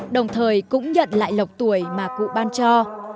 đồng thời cũng nhận lại lộc tuổi mà cụ ban cho